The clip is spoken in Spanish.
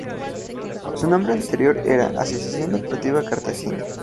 Su nombre anterior era Asociación Deportiva Cartagena.